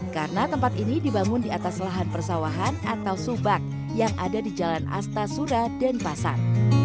karena tempat ini dibangun di atas lahan persawahan atau subak yang ada di jalan astasura dan pasar